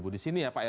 di sini ya pak